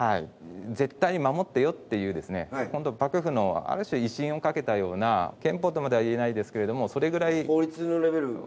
絶対に守ってよっていう幕府のある種威信をかけたような憲法とまでは言えないですけどもそれぐらい。